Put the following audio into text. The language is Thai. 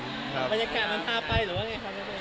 บรรยากาศมันพาไปหรือว่าไงครับ